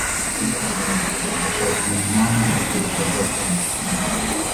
Ndagerageza kumenya impamvu moteri itazatangira.